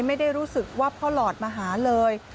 ไม่ได้รู้สึกว่าพ่อหลอดมาหาเลย